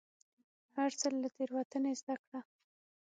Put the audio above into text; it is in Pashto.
هر ځل له تېروتنې زده کړه.